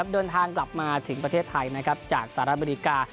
เดินทางกลับมาถึงประเทศไทยจากสหรัฐอเมริกา